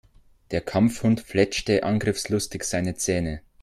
Der Kampfhund fletschte angriffslustig seine Zähne.